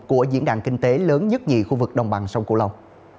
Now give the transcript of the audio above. của diễn đàn kinh tế lớn nhất nhị khu vực đồng bằng sông cửu long